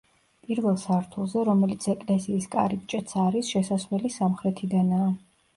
პირველ სართულზე, რომელიც ეკლესიის კარიბჭეც არის, შესასვლელი სამხრეთიდანაა.